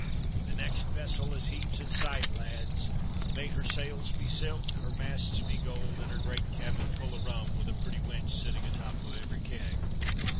"The next vessel as heaves in sight, lads! May her sails be silk, her masts be gold, and her great cabin full o' rum, with a pretty wench sittin' atop o' every keg!"